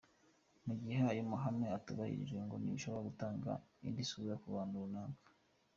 Mu gihe ayo mahame atubahirijwe ngo bishobora gutanga indi sura ku bantu runaka.